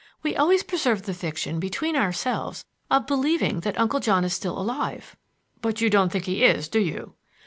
We always preserve the fiction between ourselves of believing that Uncle John is still alive." "But you don't think he is, do you?"